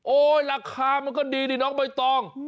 โอ้ยราคามันก็ดีดิน้องไม่ต้อง